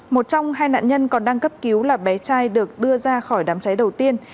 một trong hai nạn nhân còn đang cấp cứu là bé trai được đưa ra khỏi đám cháy đầu tiên